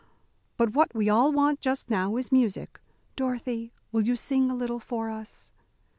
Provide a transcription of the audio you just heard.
But what we all want just now is music. Dorothy, will you sing a little for us?"